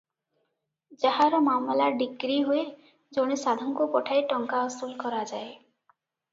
ଯାହାର ମାମଲା ଡିକ୍ରୀ ହୁଏ ଜଣେ ସାଧୁଙ୍କୁ ପଠାଇ ଟଙ୍କା ଅସୁଲ କରାଯାଏ ।